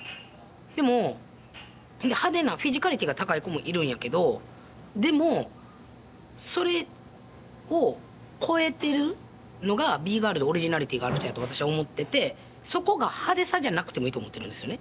でも派手なフィジカリティーが高い子もいるんやけどでもそれを超えてるのがＢガールでオリジナリティーがある人やと私は思っててそこが派手さじゃなくてもいいと思ってるんですよね。